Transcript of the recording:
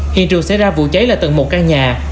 hiện trường xảy ra vụ cháy là tầng một căn nhà